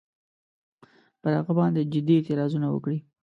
پر هغه باندي جدي اعتراض وکړي.